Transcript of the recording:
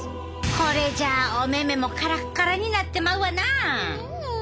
これじゃお目々もカラッカラになってまうわな。